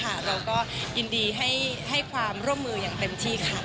เราก็ยินดีให้ความร่วมมืออย่างเต็มที่ค่ะ